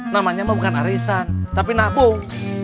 namanya mah bukan arisan tapi napuh